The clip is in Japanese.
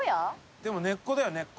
でも「ねっこ」だよ「ねっこ」。